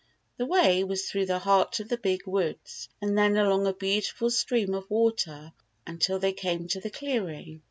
The way was through the heart of the big woods, and then along a beautiful stream of water until they came to the clearing.